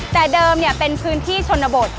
แต่เดิมเป็นพื้นที่ชนบท